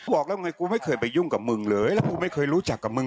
บอกแล้วไงกูไม่เคยไปยุ่งกับมึงเลยแล้วกูไม่เคยรู้จักกับมึง